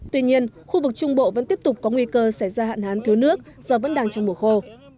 tuy nhiên khu vực trung bộ vẫn tiếp tục có nguy cơ xảy ra hạn hán thiếu nước do vẫn đang trong mùa khô